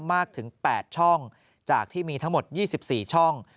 มากถึง๘ช่องจากที่มีทั้งหมด๒๔ช่อง